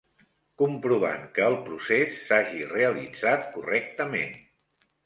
Comprovant que el procés s'hagi realitzat correctament.